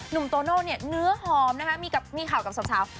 นุ่มโตโนเนี่ยเนื้อหอมนะคะมีข่ากับสำคาว